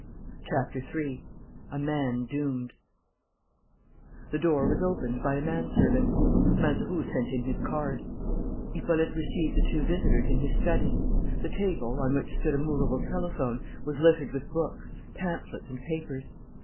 CHAPTER THREE A MAN DOOMED The door was opened by a manservant. Mazeroux sent in his card. Hippolyte received the two visitors in his study. The table, on which stood a movable telephone, was littered with books, pamphlets, and papers.